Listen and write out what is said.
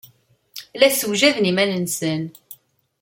La ssewjaden iman-nsen.